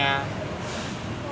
itu harusnya sudah aman